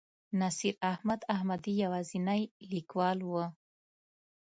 نصیر احمد احمدي یوازینی لیکوال و.